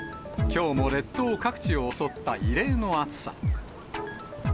きょうも列島各地を襲った異例の暑さ。